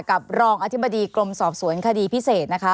กับรองอธิบดีกรมสอบสวนคดีพิเศษนะคะ